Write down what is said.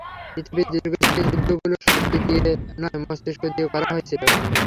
পৃথিবীর দীর্ঘস্থায়ী যুদ্ধগুলো শক্তি দিয়ে নয় মস্তিষ্ক দিয়ে করা হয়েছিল।